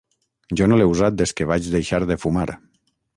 Jo no l'he usat des que vaig deixar de fumar.